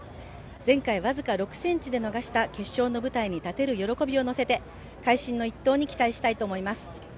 現在僅か６ｃｍで逃した決勝の舞台に立てる喜びを乗せて会心の１投に期待したいと思います。